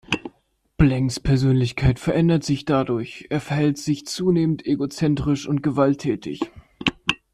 Blanks Persönlichkeit verändert sich dadurch, er verhält sich zunehmend egozentrisch und gewalttätig.